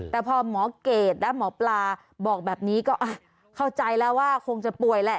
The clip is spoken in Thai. แต่พอหมอเกรดและหมอปลาบอกแบบนี้ก็เข้าใจแล้วว่าคงจะป่วยแหละ